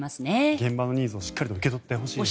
現場のニーズをしっかり受け取ってほしいですね。